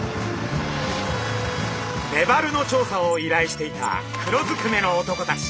メバルの調査をいらいしていた黒ずくめの男たち。